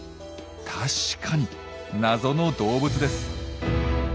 確かに謎の動物です。